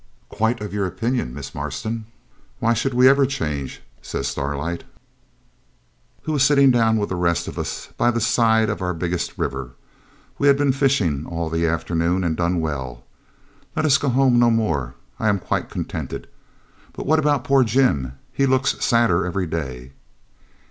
'Quite of your opinion, Miss Marston; why should we ever change?' says Starlight, who was sitting down with the rest of us by the side of our biggest river. We had been fishing all the afternoon and done well. 'Let us go home no more; I am quite contented. But what about poor Jim? He looks sadder every day.'